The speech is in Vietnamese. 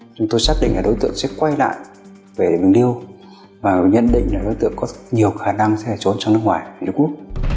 chúng tôi xác định là đối tượng sẽ quay lại về rừng điêu và nhận định là đối tượng có nhiều khả năng sẽ trốn trong nước ngoài nước quốc